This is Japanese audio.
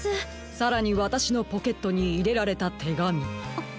さらにわたしのポケットにいれられたてがみ。